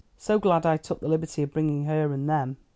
So glad I took the liberty of bringing her and them."